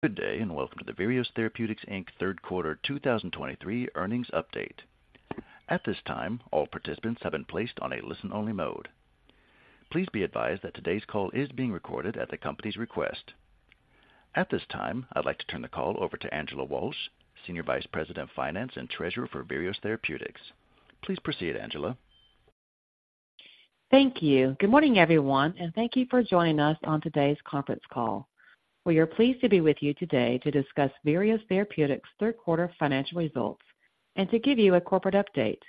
Good day, and welcome to the Virios Therapeutics, Inc. third quarter 2023 earnings update. At this time, all participants have been placed on a listen-only mode. Please be advised that today's call is being recorded at the company's request. At this time, I'd like to turn the call over to Angela Walsh, Senior Vice President of Finance and Treasurer for Virios Therapeutics. Please proceed, Angela. Thank you. Good morning, everyone, and thank you for joining us on today's conference call. We are pleased to be with you today to discuss Virios Therapeutics' third quarter financial results and to give you a corporate update.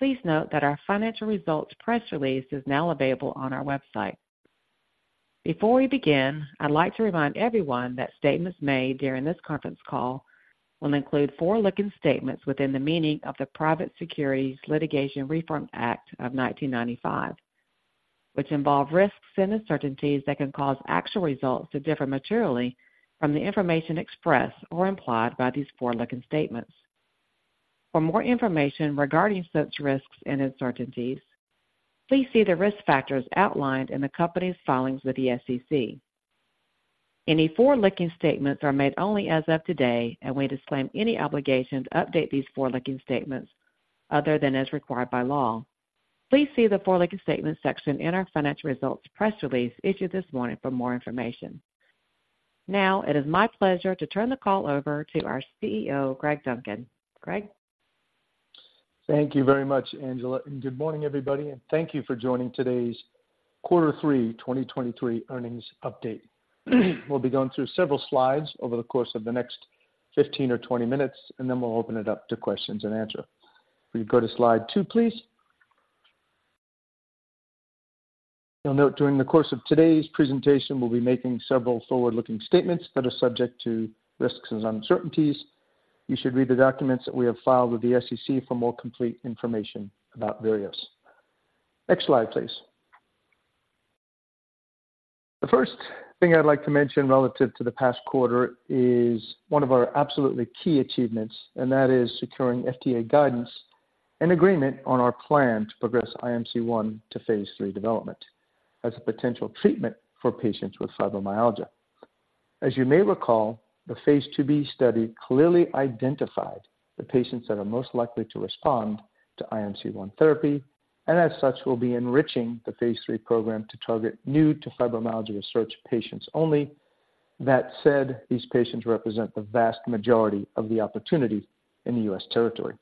Please note that our financial results press release is now available on our website. Before we begin, I'd like to remind everyone that statements made during this conference call will include forward-looking statements within the meaning of the Private Securities Litigation Reform Act of 1995, which involve risks and uncertainties that can cause actual results to differ materially from the information expressed or implied by these forward-looking statements. For more information regarding such risks and uncertainties, please see the risk factors outlined in the company's filings with the SEC. Any forward-looking statements are made only as of today, and we disclaim any obligation to update these forward-looking statements other than as required by law. Please see the forward-looking statements section in our financial results press release issued this morning for more information. Now, it is my pleasure to turn the call over to our CEO, Greg Duncan. Greg? Thank you very much, Angela, and good morning, everybody, and thank you for joining today's quarter 3 2023 earnings update. We'll be going through several slides over the course of the next 15 or 20 minutes, and then we'll open it up to questions and answer. Will you go to slide two, please? You'll note during the course of today's presentation, we'll be making several forward-looking statements that are subject to risks and uncertainties. You should read the documents that we have filed with the SEC for more complete information about Virios. Next slide, please. The first thing I'd like to mention relative to the past quarter is one of our absolutely key achievements, and that is securing FDA guidance and agreement on our plan to progress IMC-1 to phase III development as a potential treatment for patients with fibromyalgia. As you may recall, the phase IIb study clearly identified the patients that are most likely to respond to IMC-1 therapy, and as such, we'll be enriching the phase III program to target new to fibromyalgia research patients only. That said, these patients represent the vast majority of the opportunity in the U.S. territory.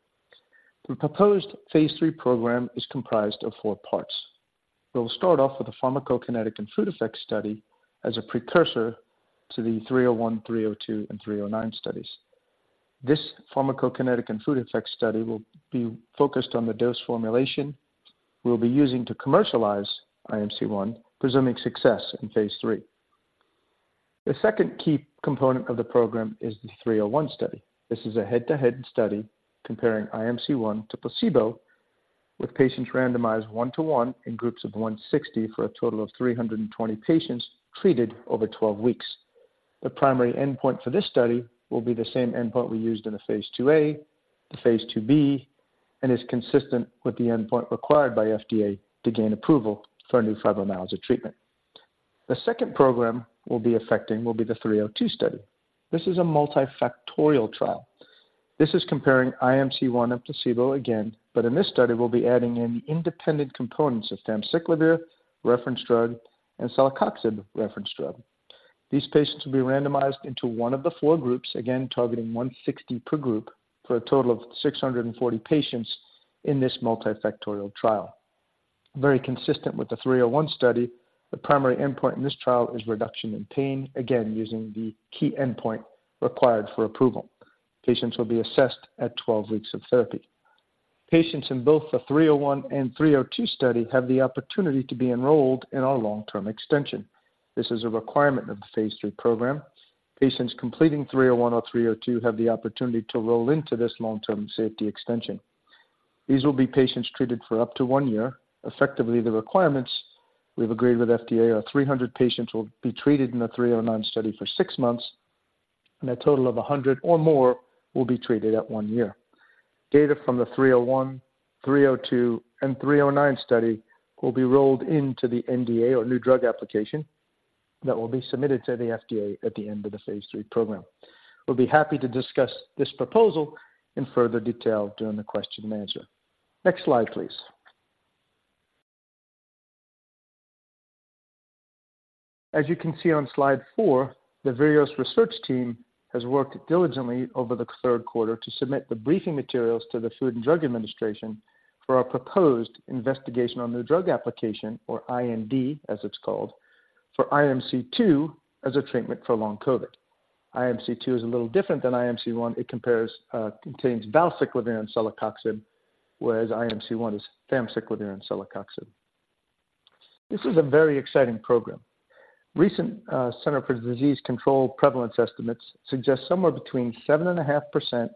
The proposed phase III program is comprised of four parts. We'll start off with a pharmacokinetic and food effect study as a precursor to the 301, 302, and 309 studies. This pharmacokinetic and food effect study will be focused on the dose formulation we'll be using to commercialize IMC-1, presuming success in phase III. The second key component of the program is the 301 study. This is a head-to-head study comparing IMC-1 to placebo, with patients randomized one to one in groups of 160 for a total of 320 patients treated over 12 weeks. The primary endpoint for this study will be the same endpoint we used in the phase IIa, the phase IIb, and is consistent with the endpoint required by FDA to gain approval for a new fibromyalgia treatment. The second program we'll be affecting will be the 302 study. This is a multifactorial trial. This is comparing IMC-1 and placebo again, but in this study, we'll be adding in the independent components of famciclovir, reference drug, and celecoxib, reference drug. These patients will be randomized into one of the four groups, again targeting 160 per group, for a total of 640 patients in this multifactorial trial. Very consistent with the 301 study, the primary endpoint in this trial is reduction in pain, again, using the key endpoint required for approval. Patients will be assessed at 12 weeks of therapy. Patients in both the 301 and 302 study have the opportunity to be enrolled in our long-term extension. This is a requirement of the phase III program. Patients completing 301 or 302 have the opportunity to roll into this long-term safety extension. These will be patients treated for up to one year. Effectively, the requirements we've agreed with FDA are 300 patients will be treated in the 309 study for 6 months, and a total of 100 or more will be treated at one year. Data from the 301, 302, and 309 study will be rolled into the NDA or New Drug Application that will be submitted to the FDA at the end of the phase III program. We'll be happy to discuss this proposal in further detail during the question and answer. Next slide, please. As you can see on slide four, the Virios research team has worked diligently over the third quarter to submit the briefing materials to the Food and Drug Administration for our proposed Investigational New Drug application, or IND, as it's called, for IMC-2 as a treatment for Long COVID. IMC-2 is a little different than IMC-1. It contains valacyclovir and celecoxib, whereas IMC-1 is famciclovir and celecoxib. This is a very exciting program. Recent Centers for Disease Control prevalence estimates suggest somewhere between 7.5%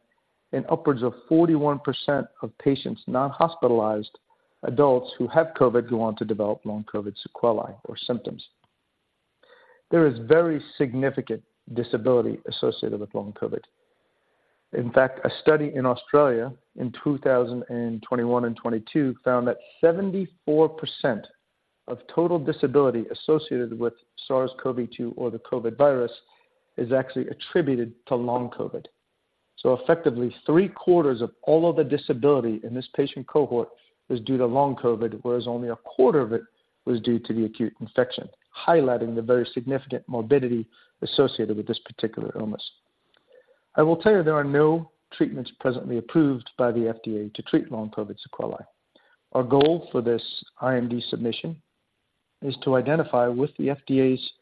and upwards of 41% of patients, non-hospitalized adults who have COVID, go on to develop Long COVID sequelae or symptoms. There is very significant disability associated with Long COVID.... In fact, a study in Australia in 2021 and 2022 found that 74% of total disability associated with SARS-CoV-2 or the COVID virus is actually attributed to Long COVID. So effectively, three-quarters of all of the disability in this patient cohort is due to Long COVID, whereas only a quarter of it was due to the acute infection, highlighting the very significant morbidity associated with this particular illness. I will tell you there are no treatments presently approved by the FDA to treat Long COVID sequelae. Our goal for this IND submission is to identify, with the FDA's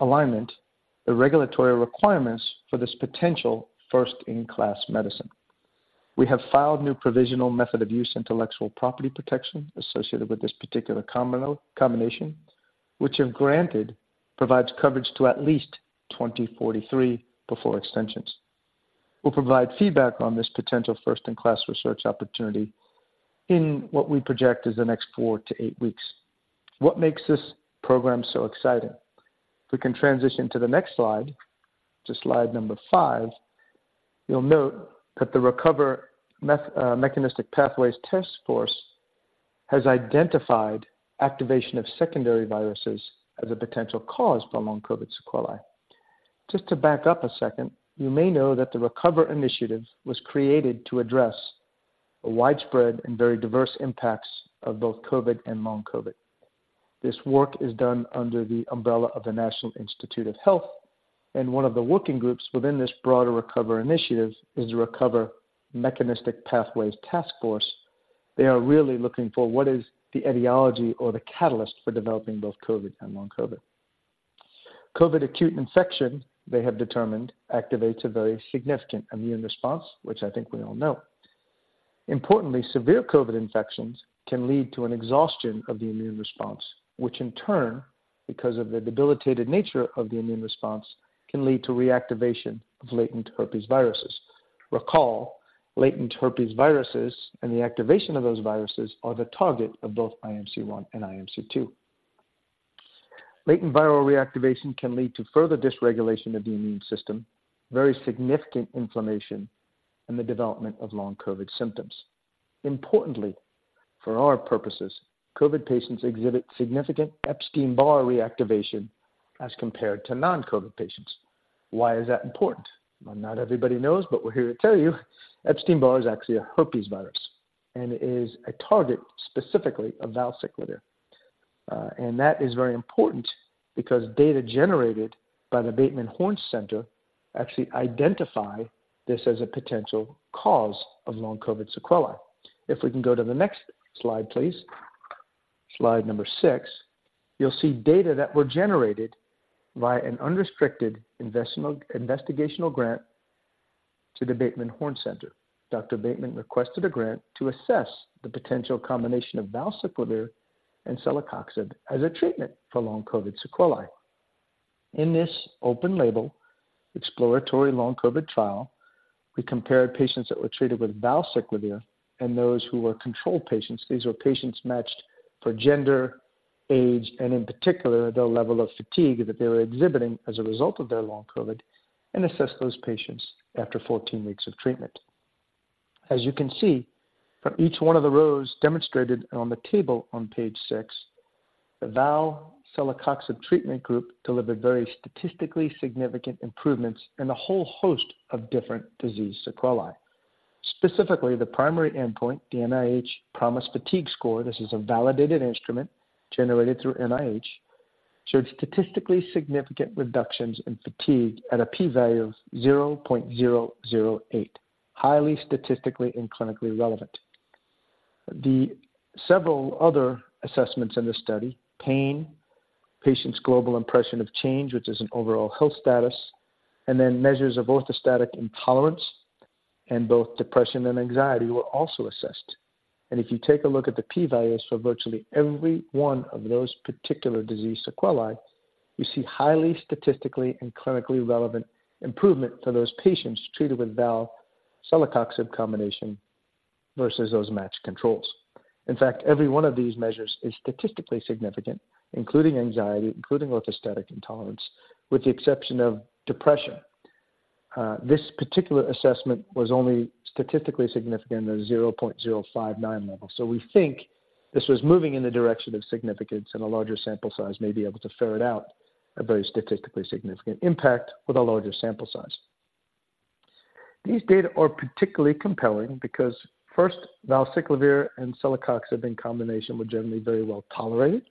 alignment, the regulatory requirements for this potential first-in-class medicine. We have filed new provisional method of use intellectual property protection associated with this particular combination, which, if granted, provides coverage to at least 2043 before extensions. We'll provide feedback on this potential first-in-class research opportunity in what we project is the next 4-8 weeks. What makes this program so exciting? If we can transition to the next slide, to slide number 5, you'll note that the RECOVER Mechanistic Pathways Task Force has identified activation of secondary viruses as a potential cause for Long COVID sequelae. Just to back up a second, you may know that the RECOVER Initiative was created to address the widespread and very diverse impacts of both COVID and Long COVID. This work is done under the umbrella of the National Institutes of Health, and one of the working groups within this broader RECOVER Initiative is the RECOVER Mechanistic Pathways Task Force. They are really looking for what is the etiology or the catalyst for developing both COVID and Long COVID. COVID acute infection, they have determined, activates a very significant immune response, which I think we all know. Importantly, severe COVID infections can lead to an exhaustion of the immune response, which in turn, because of the debilitated nature of the immune response, can lead to reactivation of latent herpes viruses. Recall, latent herpes viruses and the activation of those viruses are the target of both IMC-1 and IMC-2. Latent viral reactivation can lead to further dysregulation of the immune system, very significant inflammation, and the development of Long COVID symptoms. Importantly, for our purposes, COVID patients exhibit significant Epstein-Barr reactivation as compared to non-COVID patients. Why is that important? Well, not everybody knows, but we're here to tell you Epstein-Barr is actually a herpes virus, and it is a target, specifically, of valacyclovir. And that is very important because data generated by the Bateman Horne Center actually identify this as a potential cause of Long COVID sequelae. If we can go to the next slide, please. Slide number six. You'll see data that were generated by an unrestricted investigational grant to the Bateman Horne Center. Dr. Bateman requested a grant to assess the potential combination of valacyclovir and celecoxib as a treatment for Long COVID sequelae. In this open-label, exploratory Long COVID trial, we compared patients that were treated with valacyclovir and those who were control patients. These were patients matched for gender, age, and in particular, their level of fatigue that they were exhibiting as a result of their Long COVID, and assessed those patients after 14 weeks of treatment. As you can see from each one of the rows demonstrated on the table on page six, the valacyclovir-celecoxib treatment group delivered very statistically significant improvements in a whole host of different disease sequelae. Specifically, the primary endpoint, the NIH PROMIS Fatigue Score, this is a validated instrument generated through NIH, showed statistically significant reductions in fatigue at a p-value of 0.008, highly statistically and clinically relevant. The several other assessments in this study, pain, Patient Global Impression of Change, which is an overall health status, and then measures of orthostatic intolerance and both depression and anxiety, were also assessed. And if you take a look at the p-values for virtually every one of those particular disease sequelae, you see highly statistically and clinically relevant improvement for those patients treated with valacyclovir-celecoxib combination versus those matched controls. In fact, every one of these measures is statistically significant, including anxiety, including orthostatic intolerance, with the exception of depression. This particular assessment was only statistically significant at a 0.059 level. So we think this was moving in the direction of significance, and a larger sample size may be able to ferret out a very statistically significant impact with a larger sample size. These data are particularly compelling because first, valacyclovir and celecoxib in combination were generally very well tolerated.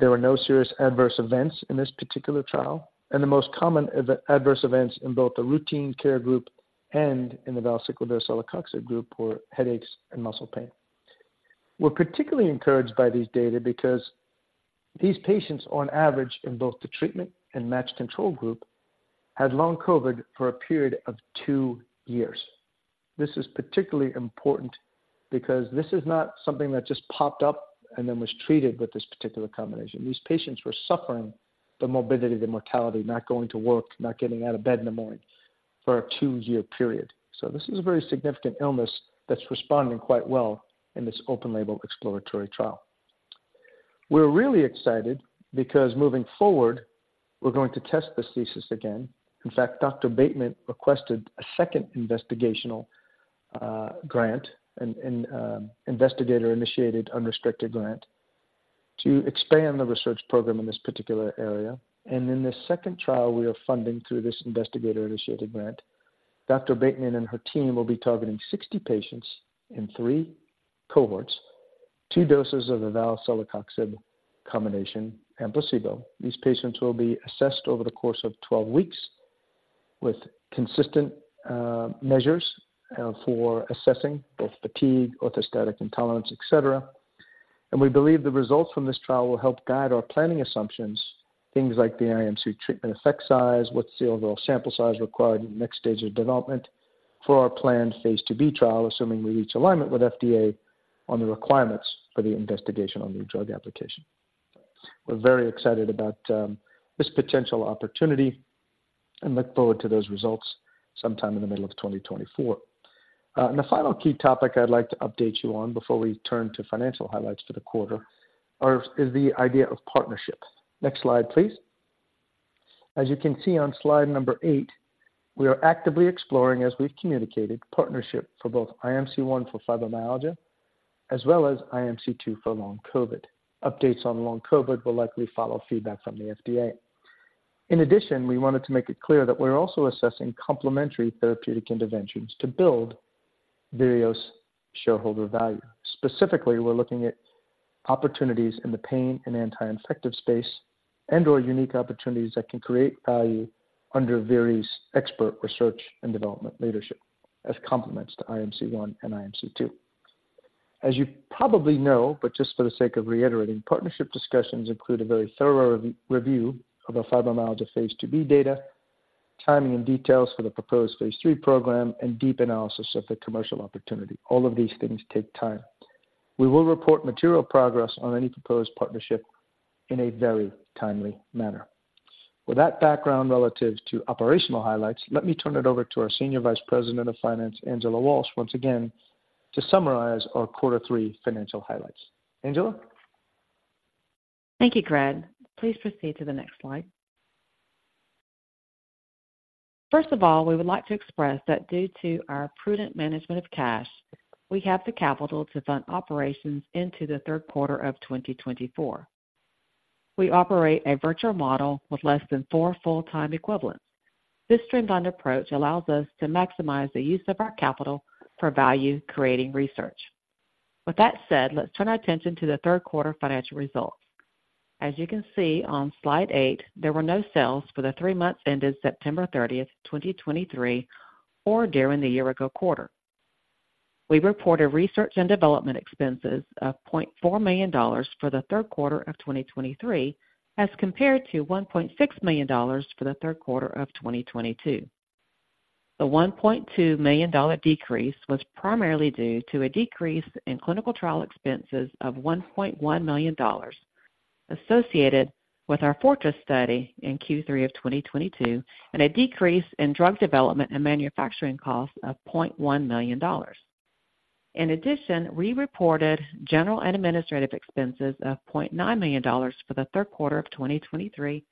There were no serious adverse events in this particular trial, and the most common event... Adverse events in both the routine care group and in the valacyclovir-celecoxib group were headaches and muscle pain. We're particularly encouraged by these data because these patients, on average, in both the treatment and matched control group, had Long COVID for a period of two years. This is particularly important because this is not something that just popped up and then was treated with this particular combination. These patients were suffering the morbidity, the mortality, not going to work, not getting out of bed in the morning, for a two-year period. So this is a very significant illness that's responding quite well in this open-label exploratory trial. We're really excited because moving forward, we're going to test this thesis again. In fact, Dr. Bateman requested a second investigational grant and investigator-initiated unrestricted grant to expand the research program in this particular area. In this second trial, we are funding through this investigator-initiated grant. Dr. Bateman and her team will be targeting 60 patients in three cohorts, two doses of the valacyclovir-celecoxib combination and placebo. These patients will be assessed over the course of 12 weeks, with consistent measures for assessing both fatigue, orthostatic intolerance, et cetera. We believe the results from this trial will help guide our planning assumptions, things like the IMC treatment effect size, what's the overall sample size required in the next stage of development for our planned phase IIb trial, assuming we reach alignment with FDA on the requirements for the Investigational New Drug application. We're very excited about this potential opportunity and look forward to those results sometime in the middle of 2024. And the final key topic I'd like to update you on before we turn to financial highlights for the quarter, is the idea of partnerships. Next slide, please. As you can see on slide number eight, we are actively exploring, as we've communicated, partnership for both IMC-1 for fibromyalgia as well as IMC-2 for Long COVID. Updates on Long COVID will likely follow feedback from the FDA. In addition, we wanted to make it clear that we're also assessing complementary therapeutic interventions to build Virios's shareholder value. Specifically, we're looking at opportunities in the pain and anti-infective space and/or unique opportunities that can create value under Virios's expert research and development leadership as complements to IMC-1 and IMC-2. As you probably know, but just for the sake of reiterating, partnership discussions include a very thorough review of our fibromyalgia phase IIb data, timing and details for the proposed phase III program, and deep analysis of the commercial opportunity. All of these things take time. We will report material progress on any proposed partnership in a very timely manner. With that background relative to operational highlights, let me turn it over to our Senior Vice President of Finance, Angela Walsh, once again to summarize our quarter three financial highlights. Angela? Thank you, Greg. Please proceed to the next slide. First of all, we would like to express that due to our prudent management of cash, we have the capital to fund operations into the third quarter of 2024. We operate a virtual model with less than four full-time equivalents. This streamlined approach allows us to maximize the use of our capital for value-creating research. With that said, let's turn our attention to the third quarter financial results. As you can see on slide eight, there were no sales for the three months ended September 30th, 2023, or during the year-ago quarter. We reported research and development expenses of $0.4 million for the third quarter of 2023, as compared to $1.6 million for the third quarter of 2022. The $1.2 million decrease was primarily due to a decrease in clinical trial expenses of $1.1 million associated with our FORTRESS study in Q3 of 2022, and a decrease in drug development and manufacturing costs of $0.1 million. In addition, we reported general and administrative expenses of $0.9 million for the third quarter of 2023,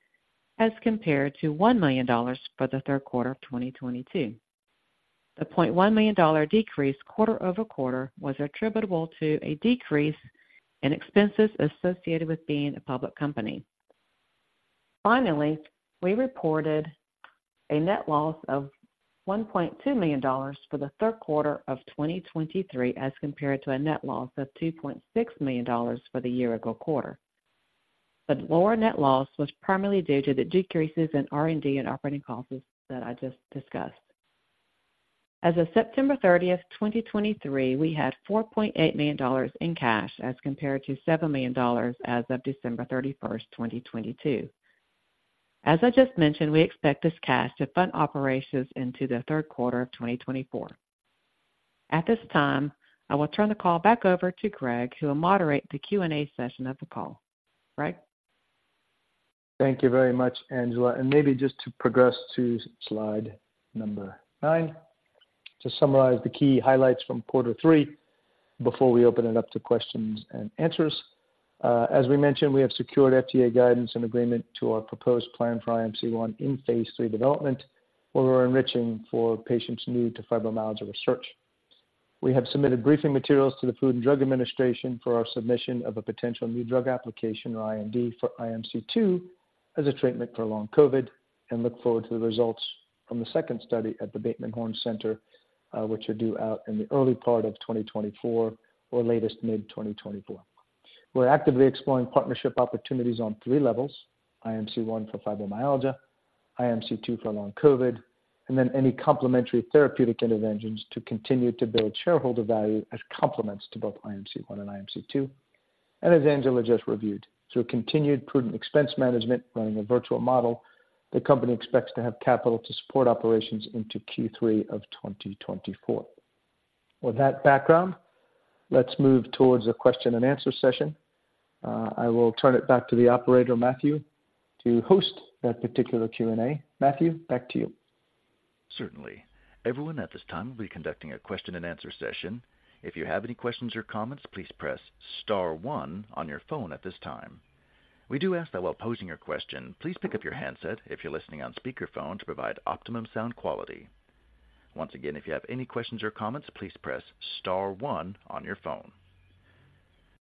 as compared to $1 million for the third quarter of 2022. The $0.1 million decrease quarter-over-quarter was attributable to a decrease in expenses associated with being a public company. Finally, we reported a net loss of $1.2 million for the third quarter of 2023, as compared to a net loss of $2.6 million for the year-ago quarter. The lower net loss was primarily due to the decreases in R&D and operating costs that I just discussed. As of September 30th, 2023, we had $4.8 million in cash, as compared to $7 million as of December 31st, 2022. As I just mentioned, we expect this cash to fund operations into the third quarter of 2024. At this time, I will turn the call back over to Greg, who will moderate the Q&A session of the call. Greg? Thank you very much, Angela, and maybe just to progress to slide number 9, to summarize the key highlights from quarter three before we open it up to questions and answers. As we mentioned, we have secured FDA guidance and agreement to our proposed plan for IMC-1 in phase III development, where we're enriching for patients new to fibromyalgia research. We have submitted briefing materials to the Food and Drug Administration for our submission of a potential new drug application, or IND, for IMC-2 as a treatment for Long COVID, and look forward to the results from the second study at the Bateman Horne Center, which are due out in the early part of 2024 or latest mid-2024. We're actively exploring partnership opportunities on three levels: IMC-1 for fibromyalgia, IMC-2 for Long COVID, and then any complementary therapeutic interventions to continue to build shareholder value as complements to both IMC-1 and IMC-2. And as Angela just reviewed, through continued prudent expense management running a virtual model, the company expects to have capital to support operations into Q3 of 2024. With that background, let's move towards a question-and-answer session. I will turn it back to the operator, Matthew, to host that particular Q&A. Matthew, back to you. Certainly. Everyone at this time will be conducting a question and answer session. If you have any questions or comments, please press star one on your phone at this time. We do ask that while posing your question, please pick up your handset if you're listening on speakerphone, to provide optimum sound quality. Once again, if you have any questions or comments, please press star one on your phone.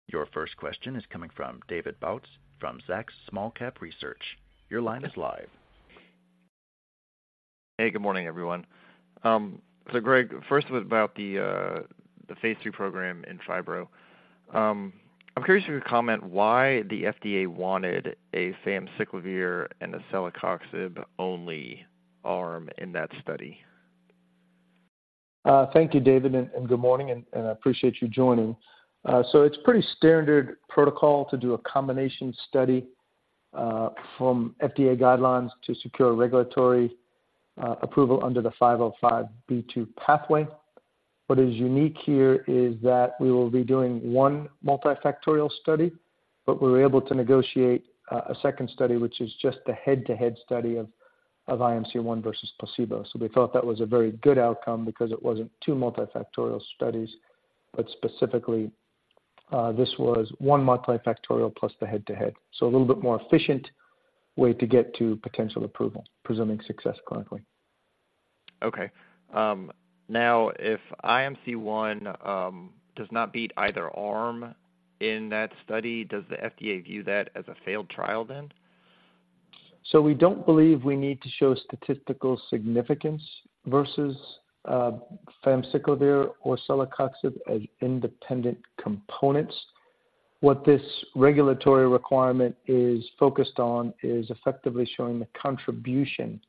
Your first question is coming from David Bautz from Zacks Small-Cap Research. Your line is live. Hey, good morning, everyone. So Greg, first was about the phase III program in fibro. I'm curious if you could comment why the FDA wanted a famciclovir and a celecoxib only arm in that study. Thank you, David, and good morning, and I appreciate you joining. So it's pretty standard protocol to do a combination study from FDA guidelines to secure regulatory approval under the 505(b)(2) pathway. What is unique here is that we will be doing one multifactorial study, but we were able to negotiate a second study, which is just a head-to-head study of IMC-1 versus placebo. So we thought that was a very good outcome because it wasn't two multifactorial studies, but specifically, this was one multifactorial plus the head-to-head. So a little bit more efficient way to get to potential approval, presuming success clinically. Okay. Now, if IMC-1 does not beat either arm in that study, does the FDA view that as a failed trial then? So we don't believe we need to show statistical significance versus famciclovir or celecoxib as independent components. What this regulatory requirement is focused on is effectively showing the contribution of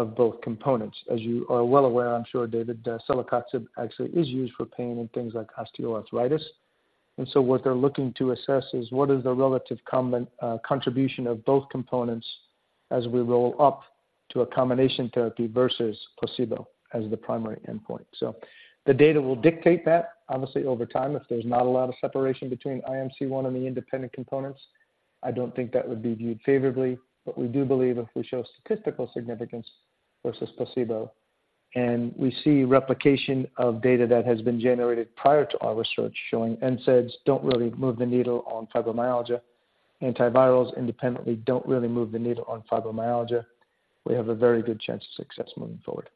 both components. As you are well aware, I'm sure, David, celecoxib actually is used for pain in things like osteoarthritis. And so what they're looking to assess is what is the relative contribution of both components as we roll up to a combination therapy versus placebo as the primary endpoint. So the data will dictate that. Obviously, over time, if there's not a lot of separation between IMC-1 and the independent components, I don't think that would be viewed favorably. But we do believe if we show statistical significance versus placebo, and we see replication of data that has been generated prior to our research showing NSAIDs don't really move the needle on fibromyalgia, antivirals independently don't really move the needle on fibromyalgia, we have a very good chance of success moving forward.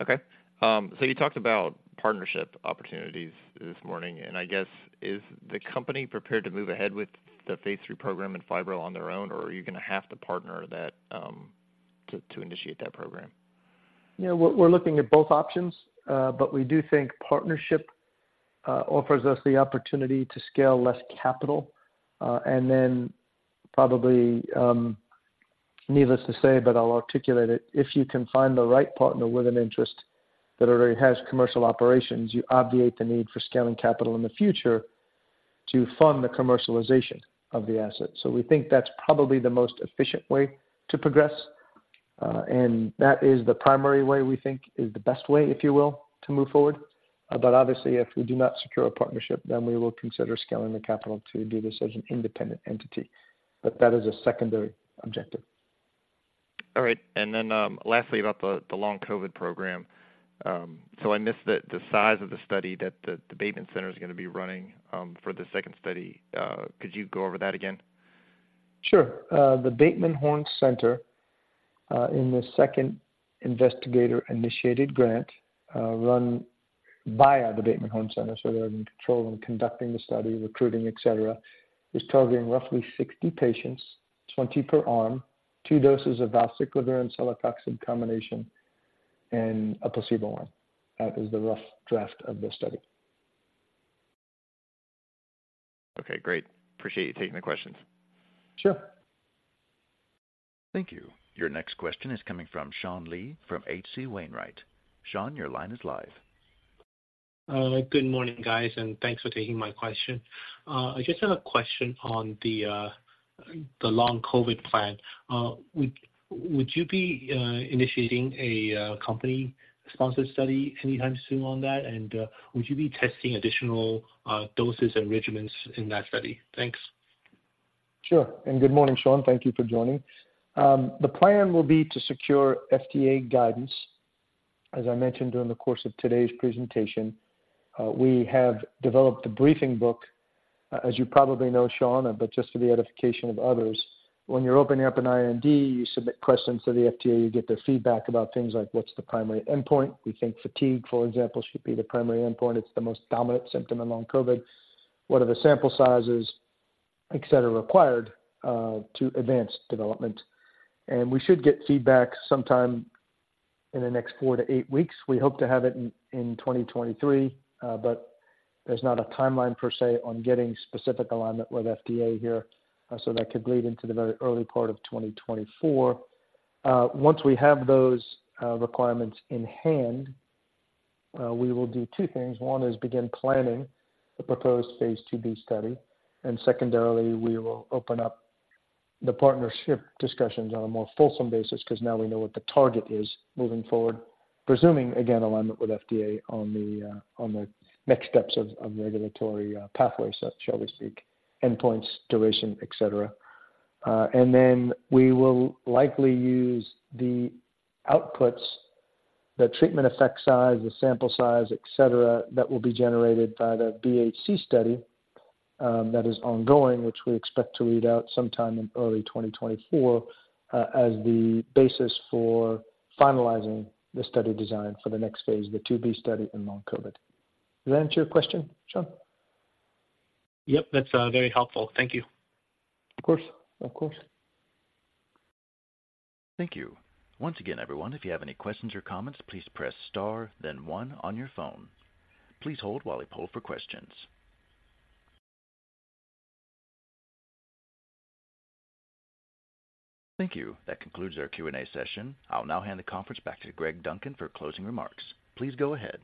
Okay. So you talked about partnership opportunities this morning, and I guess, is the company prepared to move ahead with the phase III program and fibro on their own, or are you gonna have to partner that, to initiate that program? Yeah, we're looking at both options. But we do think partnership offers us the opportunity to scale less capital, and then probably, needless to say, but I'll articulate it, if you can find the right partner with an interest that already has commercial operations, you obviate the need for scaling capital in the future to fund the commercialization of the asset. So we think that's probably the most efficient way to progress, and that is the primary way we think is the best way, if you will, to move forward. But obviously, if we do not secure a partnership, then we will consider scaling the capital to do this as an independent entity. That is a secondary objective. All right. And then, lastly, about the Long COVID program. So I missed the size of the study that the Bateman Center is gonna be running for the second study. Could you go over that again? Sure. The Bateman Horne Center, in the second investigator-initiated grant, run via the Bateman Horne Center, so they're in control and conducting the study, recruiting, et cetera, is targeting roughly 60 patients, 20 per arm, two doses of valacyclovir and celecoxib combination and a placebo one. That is the rough draft of the study. Okay, great. Appreciate you taking the questions. Sure. Thank you. Your next question is coming from Sean Lee from H.C. Wainwright. Sean, your line is live. Good morning, guys, and thanks for taking my question. I just have a question on the Long COVID plan. Would you be initiating a company-sponsored study anytime soon on that? And would you be testing additional doses and regimens in that study? Thanks. Sure. And good morning, Sean. Thank you for joining. The plan will be to secure FDA guidance. As I mentioned during the course of today's presentation, we have developed a briefing book. As you probably know, Sean, but just for the edification of others, when you're opening up an IND, you submit questions to the FDA, you get their feedback about things like what's the primary endpoint. We think fatigue, for example, should be the primary endpoint. It's the most dominant symptom in Long COVID. What are the sample sizes, et cetera, required to advance development? And we should get feedback sometime in the next 4-8 weeks. We hope to have it in 2023, but there's not a timeline per se, on getting specific alignment with FDA here. So that could bleed into the very early part of 2024. Once we have those requirements in hand, we will do two things. One is begin planning the proposed phase IIb study, and secondarily, we will open up the partnership discussions on a more fulsome basis, because now we know what the target is moving forward, presuming, again, alignment with FDA on the next steps of regulatory pathway, shall we speak, endpoints, duration, et cetera. And then we will likely use the outputs, the treatment effect size, the sample size, et cetera, that will be generated by the BHC study that is ongoing, which we expect to read out sometime in early 2024, as the basis for finalizing the study design for the next phase, the 2B study in Long COVID. Does that answer your question, Sean? Yep, that's very helpful. Thank you. Of course. Of course. Thank you. Once again, everyone, if you have any questions or comments, please press star, then one on your phone. Please hold while we poll for questions. Thank you. That concludes our Q&A session. I'll now hand the conference back to Greg Duncan for closing remarks. Please go ahead.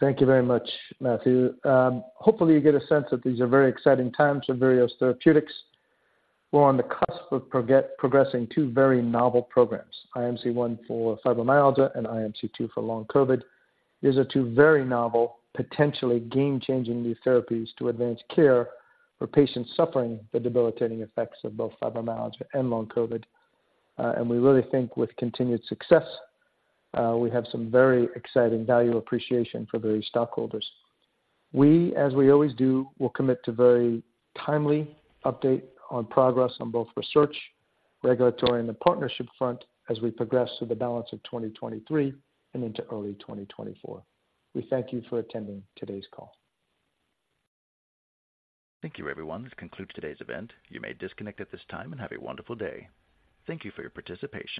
Thank you very much, Matthew. Hopefully, you get a sense that these are very exciting times for Virios Therapeutics. We're on the cusp of progressing two very novel programs, IMC-1 for fibromyalgia and IMC-2 for Long COVID. These are two very novel, potentially game-changing new therapies to advance care for patients suffering the debilitating effects of both fibromyalgia and Long COVID. And we really think with continued success, we have some very exciting value appreciation for the stockholders. We, as we always do, will commit to very timely update on progress on both research, regulatory, and the partnership front as we progress through the balance of 2023 and into early 2024. We thank you for attending today's call. Thank you everyone. This concludes today's event. You may disconnect at this time and have a wonderful day. Thank you for your participation.